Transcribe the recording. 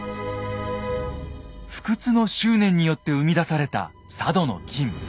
不屈の執念によって生み出された佐渡の金。